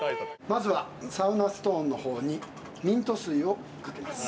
まずはサウナストーンの方にミント水をかけます。